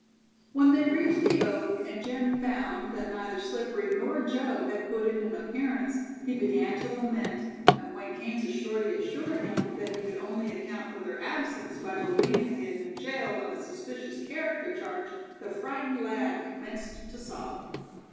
When they reached the oak and Jim found that neither Slippery nor Joe had put in an appearance, he began to lament, and when Kansas Shorty assured him that he could only account for their absence by believing they had been jailed on a "suspicious character" charge, the frightened lad commenced to sob.